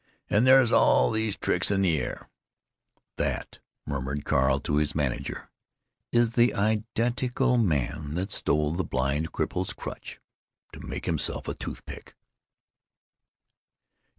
And where's all these tricks in the air——" "That," murmured Carl to his manager, "is the i den ti cal man that stole the blind cripple's crutch to make himself a toothpick."